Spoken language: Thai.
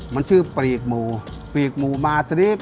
มันชื่อปรีกหมูปรีกหมูมาสรีฟ